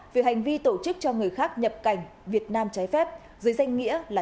về hành vi tổ chức cho người khác nhập cảnh việt nam trái phép dưới danh nghĩa là